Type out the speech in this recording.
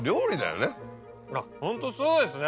ホントそうですね。